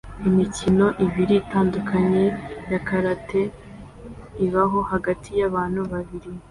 Imikino ibiri itandukanye ya karate ibaho hagati yabantu babiri